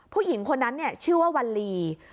ผู้หญิงคนนั้นชื่อว่าวัลลี